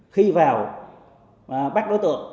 khi vào bắt đối tượng